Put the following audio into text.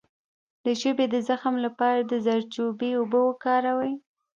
د ژبې د زخم لپاره د زردچوبې اوبه وکاروئ